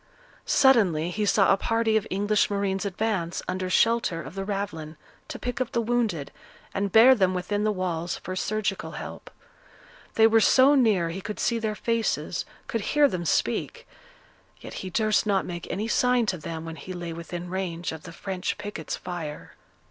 Suddenly he saw a party of English marines advance, under shelter of the ravelin, to pick up the wounded, and bear them within the walls for surgical help. They were so near he could see their faces, could hear them speak; yet he durst not make any sign to them when he lay within range of the French picket's fire.